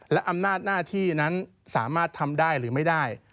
และอำนาจหน้าที่นั้นสามารถทำได้หรือไม่ได้